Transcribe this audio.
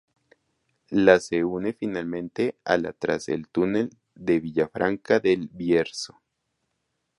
La se une finalmente a la tras el túnel de Villafranca del Bierzo.